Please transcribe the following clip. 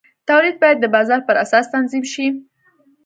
تولید باید د بازار په اساس تنظیم شي.